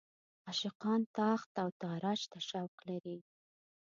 عاشقان تاخت او تاراج ته شوق لري.